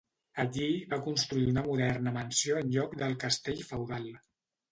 Allí va construir una moderna mansió en lloc del castell feudal.